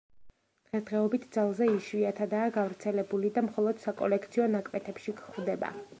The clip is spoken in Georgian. დღესდღეობით ძალზე იშვიათადაა გავრცელებული და მხოლოდ საკოლექციო ნაკვეთებში გვხვდება.